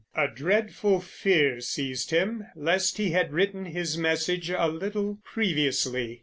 A dreadful fear seized him lest he had written his message a little previously.